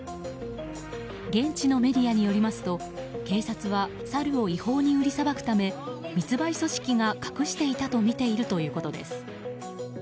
現地のメディアによりますと警察はサルを違法に売りさばくため密売組織が隠していたとみているということです。